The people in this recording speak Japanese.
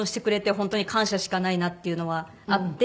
本当に感謝しかないなっていうのはあって。